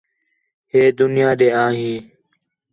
ہِے دُنیا ݙے آ ہے